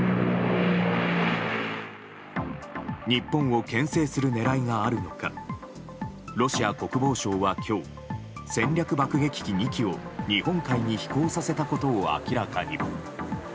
日本を牽制する狙いがあるのかロシア国防省は今日戦略爆撃機２機を日本海に飛行させたことを明らかに。